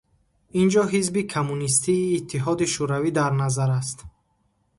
Ин ҷо Ҳизби Коммунистии Иттиҳоди Шӯравӣ дар назар аст.